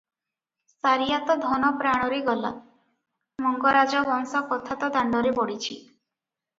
ସାରିଆ ତ ଧନ-ପ୍ରାଣରେ ଗଲା, ମଙ୍ଗରାଜ ବଂଶ କଥା ତ ଦାଣ୍ତରେ ପଡ଼ିଛି ।